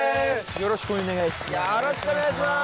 よろしくお願いします。